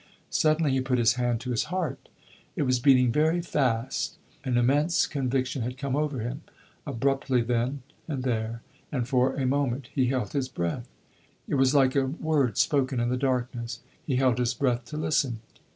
Suddenly he put his hand to his heart; it was beating very fast. An immense conviction had come over him abruptly, then and there and for a moment he held his breath. It was like a word spoken in the darkness he held his breath to listen.